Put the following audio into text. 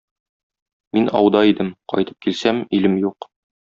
Мин ауда идем, кайтып килсәм: илем юк.